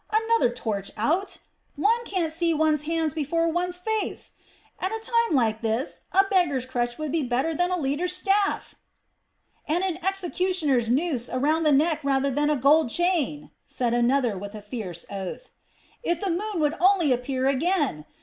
Another torch out! One can't see one's hand before one's face! At a time like this a beggar's crutch would be better than a leader's staff." "And an executioner's noose round the neck rather than a gold chain!" said another with a fierce oath. "If the moon would only appear again!